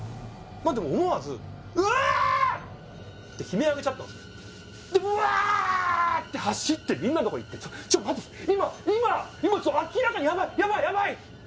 なんで思わず「うわあっ！」って悲鳴あげちゃったんすよで「うわあっ！」って走ってみんなのとこ行って「ちょっ待って今今明らかにヤバいヤバいヤバい」